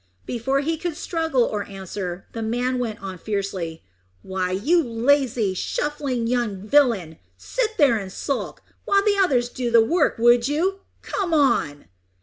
Before he could struggle or answer, the man went on fiercely "Why, you lazy, shuffling, young villain! Sit there and skulk, while the others do the work, would you? Come on!"